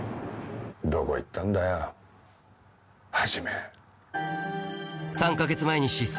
どこ行ったんだよ始。